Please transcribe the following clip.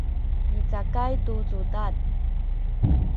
micakay tu cudad